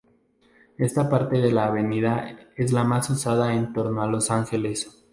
Esta parte de la avenida es la más usada en todo Los Ángeles.